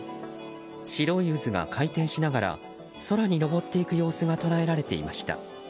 白い渦が回転しながら空に上っていく様子が捉えられていました。